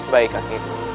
baik kake guru